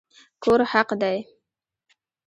کور حق دی